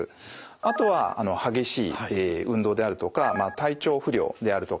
あとは激しい運動であるとか体調不良であるとかですね